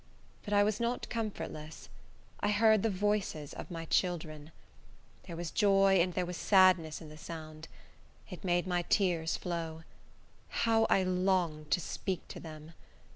But I was not comfortless. I heard the voices of my children. There was joy and there was sadness in the sound. It made my tears flow. How I longed to speak to them!